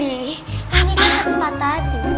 ini tempat tadi